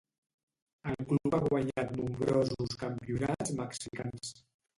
El club ha guanyat nombrosos campionats mexicans.